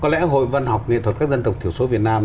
có lễ hội văn học nghệ thuật các dân tộc thiểu số việt nam